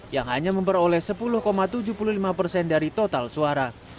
yang hanya memperoleh sepuluh tujuh puluh lima persen dari total suara